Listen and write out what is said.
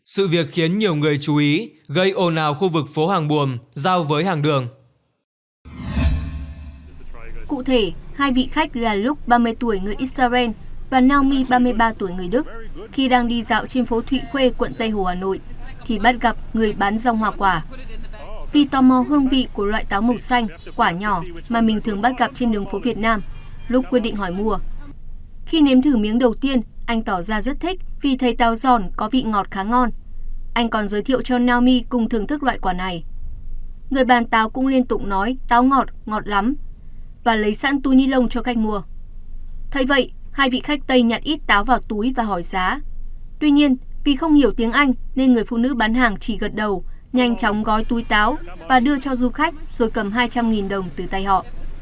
tuy nhiên vì không hiểu tiếng anh nên người phụ nữ bán hàng chỉ gật đầu nhanh chóng gói túi táo và đưa cho du khách rồi cầm hai trăm linh đồng từ tay họ